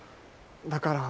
だから。